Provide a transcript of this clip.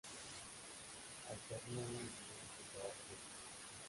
Alternó el dibujo con trabajos de diseño.